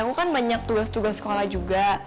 aku kan banyak tugas tugas sekolah juga